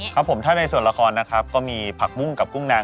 ครับผมถ้าในส่วนละครนะครับก็มีผักบุ้งกับกุ้งนาง